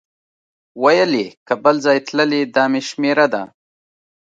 ویل یې که بل ځای تللی دا مې شمېره ده.